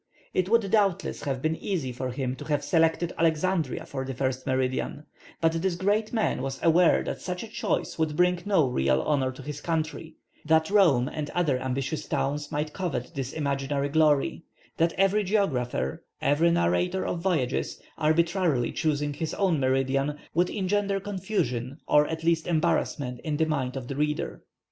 It would doubtless have been easy for him to have selected Alexandria for the first meridian; but this great man was aware that such a choice would bring no real honour to his country, that Rome and other ambitious towns might covet this imaginary glory, that every geographer, every narrator of voyages, arbitrarily choosing his own meridian, would engender confusion or at least embarrassment in the mind of the reader."